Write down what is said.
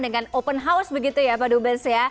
dengan open house begitu ya pak dubes ya